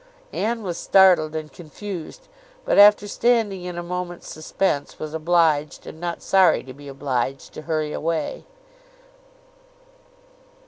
Anne was startled and confused; but after standing in a moment's suspense, was obliged, and not sorry to be obliged, to hurry away.